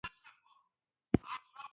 زما ده خوښې سندرې ډيرې خاصې دي.